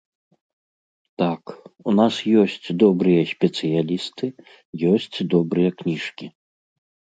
Так, у нас ёсць добрыя спецыялісты, ёсць добрыя кніжкі.